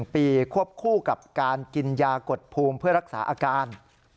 ๑ปีควบคู่กับการกินยากดภูมิเพื่อรักษาอาการ